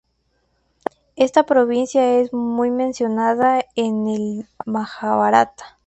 Esta provincia es muy mencionada en el "Majábharata".